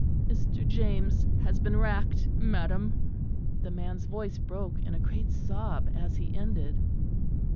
"Mr. James has been racked, madam." The man's voice broke in a great sob as he ended.